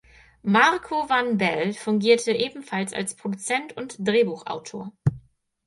Marco van Belle fungierte ebenfalls als Produzent und Drehbuchautor.